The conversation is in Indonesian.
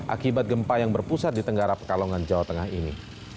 akibat gempa yang berpusat di tenggara pekalongan jawa tengah ini